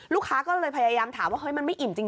ลูกค้าก็เลยพยายามถามว่าเฮ้ยมันไม่อิ่มจริง